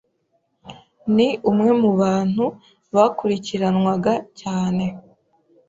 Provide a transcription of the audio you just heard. Ni umwe mu bantu bakurikiranwaga cyane